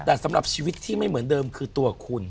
แต่สำหรับชีวิตที่ไม่เหมือนเดิมคือตัวคุณ